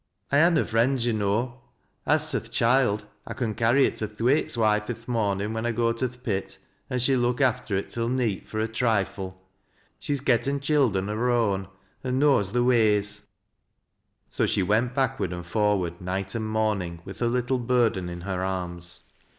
I ha' no friends, yo' know. As to th' choild, I con carry it to Thwaite's wife i' th' mornin' when I go to th' pit, an' she'll look after it till neet, for a trifle. She's gotten childem o' her own, and knows their ways." So she went backward and forward night and morning with her little burden in her arms.